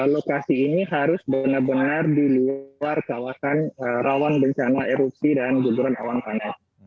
lokasi ini harus benar benar di luar kawasan rawan bencana erupsi dan guguran awan panas